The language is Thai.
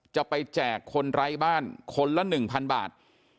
แจกคนไร้บ้านคนละ๑๐๐บาท